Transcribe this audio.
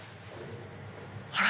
あら！